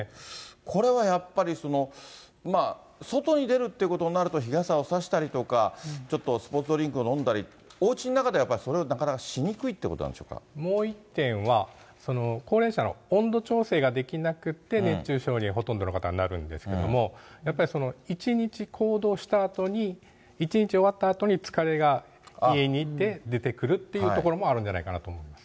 これはやっぱり、外に出るっていうことになると、日傘を差したりとか、ちょっとスポーツドリンクを飲んだり、おうちの中ではやっぱりそれをなかなかしにくいもう１点は、高齢者の温度調整ができなくって、熱中症にほとんどの方がなるんですけれども、やっぱり一日行動したあとに、一日終わったあとに、疲れが、家にいて、出てくるっていうところもあるんじゃないかなとおもいます。